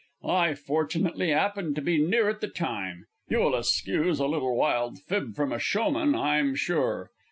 I fortunately 'appened to be near at the time (you will escuse a little wild fib from a showman, I'm sure!)